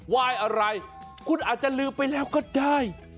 วายอะไรคุณอาจจะลืมไปแล้วก็ได้